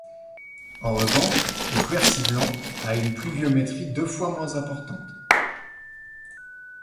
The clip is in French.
En revanche, le Quercy Blanc a une pluviométrie deux fois moins importante.